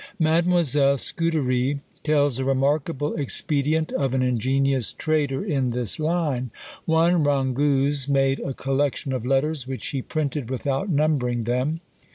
Mademoiselle Scudery tells a remarkable expedient of an ingenious trader in this line One Rangouze made a collection of letters which he printed without numbering them.